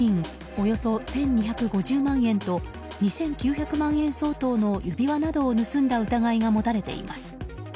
およそ１２５０万円と２９００万円相当の指輪などを盗んだ疑いが持たれています。